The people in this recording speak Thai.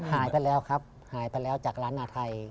หายไปแล้วครับหายไปแล้วจากร้านอาไทย